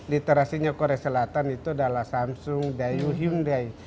literasinya korea selatan itu adalah samsung dayu hyundai